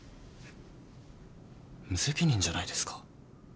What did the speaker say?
無責任じゃないですか。